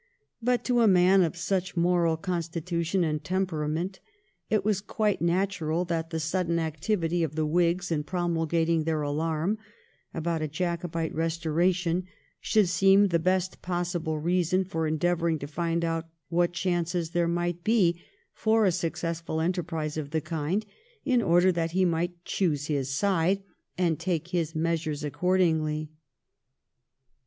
But to a man of such moral constitution and temperament it was quite natural that the sudden activity of the Whigs in promulgating their alarm about a Jacobite restoration should seem the best possible reason for endeavouring to find out what chances there might be for a successful enterprise of the kind, in order that he might choose his side and take his measures accordingly.